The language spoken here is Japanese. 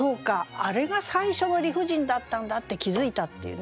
あれが最初の理不尽だったんだ」って気付いたっていうね。